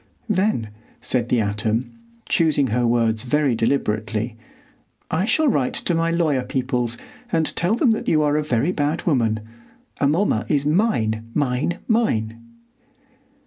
"Then," said the atom, choosing her words very deliberately, "I shall write to my lawyer peoples and tell them that you are a very bad woman. Amomma is mine, mine, mine!"